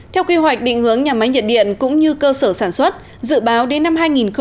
theo quy hoạch định hướng nhà máy nhiệt điện cũng như cơ sở sản xuất dự báo đến năm hai nghìn ba mươi